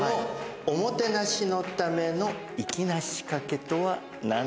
おもてなしのための粋な仕掛けとは何でしょう？